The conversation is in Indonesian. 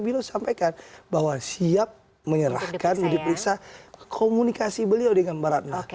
bilu sampaikan bahwa siap menyerahkan dipiksa komunikasi beliau dengan mbak radna